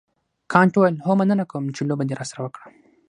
کانت وویل هو مننه کوم چې لوبه دې راسره وکړه.